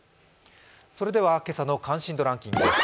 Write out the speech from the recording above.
それでは今朝の関心度ランキングです。